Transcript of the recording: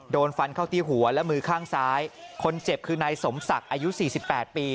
โดนฟันเข้าที่หัวและมือข้างซ้ายคนเจ็บคือนายสมศักดิ์อายุสี่สิบแปดปี